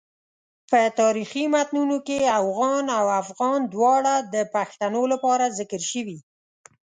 په تاریخي متونو کې اوغان او افغان دواړه د پښتنو لپاره ذکر شوي.